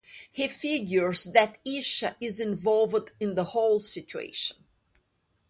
He figures that Isha is involved in the whole situation.